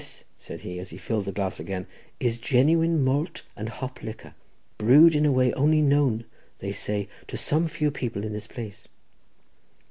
This," said he, as he filled the glass again, "is genuine malt and hop liquor, brewed in a way only known, they say, to some few people in this place.